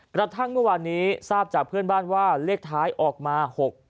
กระทั่งเมื่อวานนี้ทราบจากเพื่อนบ้านว่าเลขท้ายออกมา๖๗